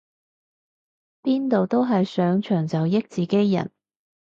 邊度都係上場就益自己人